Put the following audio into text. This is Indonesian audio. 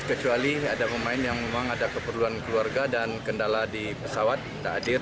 kecuali ada pemain yang memang ada keperluan keluarga dan kendala di pesawat tidak hadir